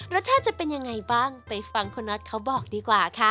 จะเป็นยังไงบ้างไปฟังคุณน็อตเขาบอกดีกว่าค่ะ